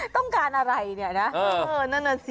ต้องการอะไรเนี่ยนะสิ